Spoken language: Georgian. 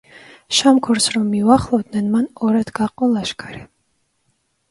შამქორს რომ მიუახლოვდნენ, მან ორად გაჰყო ლაშქარი.